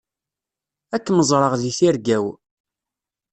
Ad kem-ẓreɣ deg tirga-w.